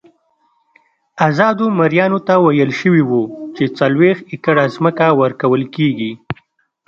ازادو مریانو ته ویل شوي وو چې څلوېښت ایکره ځمکه ورکول کېږي.